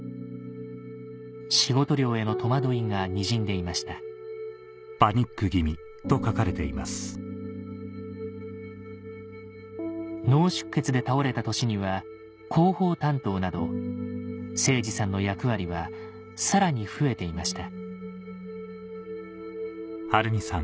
仕事量への戸惑いがにじんでいました脳出血で倒れた年には広報担当など誠治さんの役割はさらに増えていました